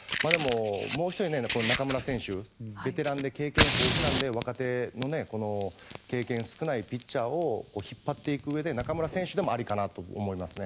もう１人、中村選手ベテランで経験豊富なので若手の経験が少ないピッチャーを引っ張っていくうえで中村選手でもありかなと思いますね。